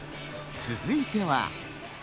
続いては。